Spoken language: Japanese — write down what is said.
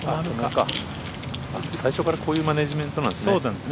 最初からこういうマネジメントなんですね。